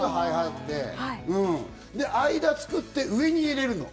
間を作って、上に入れるの。